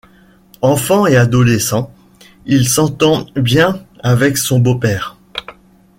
Enfant et adolescent, il s'entend bien avec son beau-père.